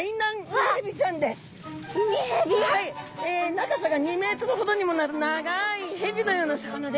長さが２ｍほどにもなる長いヘビのような魚で。